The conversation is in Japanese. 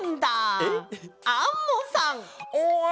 おっアンモさん！